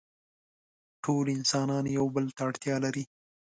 ټول انسانان يو بل ته اړتيا لري.